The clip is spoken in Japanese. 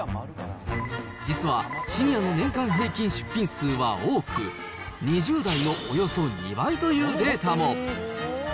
実は、シニアの年間平均出品数は多く、２０代のおよそ２倍というデータも。